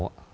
là thật sự